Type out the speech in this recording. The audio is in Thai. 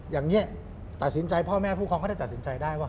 อย่างนี้ตัดสินใจพ่อแม่ผู้ครองก็ได้ตัดสินใจได้ว่า